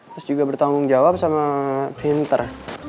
terus juga bertanggung jawab sama pinter